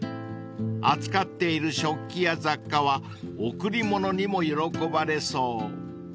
［扱っている食器や雑貨は贈り物にも喜ばれそう］